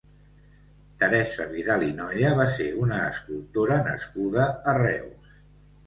Teresa Vidal i Nolla va ser una escultora nascuda a Reus.